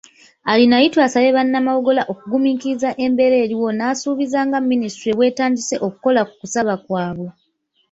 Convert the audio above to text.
Arinaitwe asabye bannamawogola okugumiikiriza embeera eriwo n'asuubiza nga Minisitule bw'etandise okukola ku kusaba kwabwe.